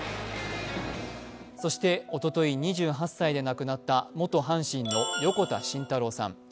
そしておととい、２８歳で亡くなった元阪神の横田慎太郎さん。